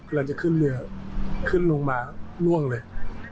กำลังจะขึ้นเรือขึ้นลงมาล่วงเลย